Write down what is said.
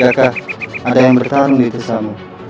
jaka ada yang bertarung di kisahmu